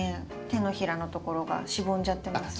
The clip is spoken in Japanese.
手のひらのところがしぼんじゃってますね。